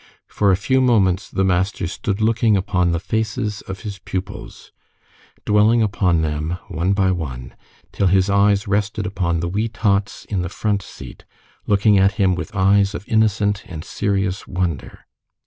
For a few moments the master stood looking upon the faces of his pupils, dwelling upon them one by one, till his eyes rested upon the wee tots in the front seat, looking at him with eyes of innocent and serious wonder.